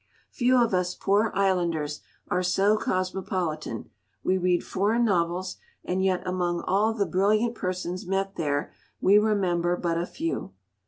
Few of us "poor islanders" are so cosmopolitan; we read foreign novels, and yet among all the brilliant persons met there we remember but a few.